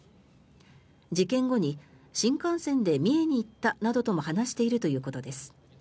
事件後に新幹線で三重に行ったなどとも話しているということです。